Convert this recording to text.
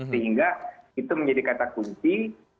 sehingga itu menjadi kata kunci